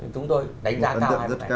chúng tôi đánh giá cao hai bức ảnh này